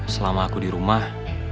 selama aku di rumah